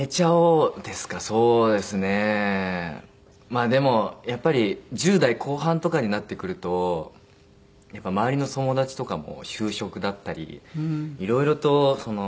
まあでもやっぱり１０代後半とかになってくると周りの友達とかも就職だったりいろいろと社会に出るために。